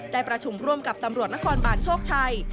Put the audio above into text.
ได้ประชุมร่วมกับตำรวจนครบาลโชคชัย